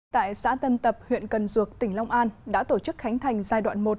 tại xã tân tập huyện cần duộc tỉnh long an đã tổ chức khánh thành giai đoạn một